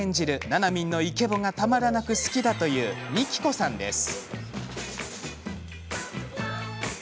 ナナミンのイケボがたまらなく好きだというみきこさんです。